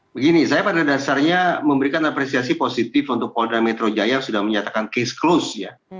begini saya pada dasarnya memberikan apresiasi positif untuk polda metro jaya sudah menyatakan case close ya